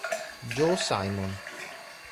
Joe Simon